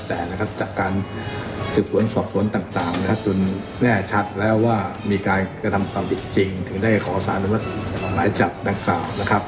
แต่จากการศึกฝนสอบฝนต่างถ้าจุลแน่ชัดแล้วว่ามีการกระทำกรรมจริงจริงถึงได้ขอสารมาหลายจับดังกล่าวนะครับ